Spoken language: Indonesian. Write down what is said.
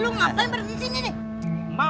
lo ngapain berada di sini nih